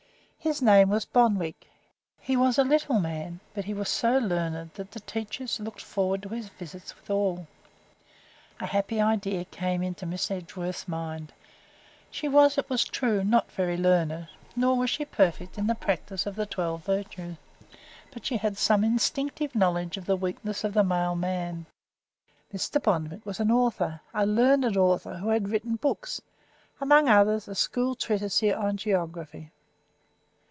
His name was Bonwick. He was a little man, but he was so learned that the teachers looked forward to his visits with awe. A happy idea came into Miss Edgeworth's mind. She was, it is true, not very learned, nor was she perfect in the practice of the twelve virtues, but she had some instinctive knowledge of the weakness of the male man. Mr. Bonwick was an author, a learned author who had written books among others a school treatise on geography.